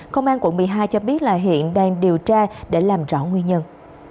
cho biết hiện đang điều tra để làm rõ nguyên nhân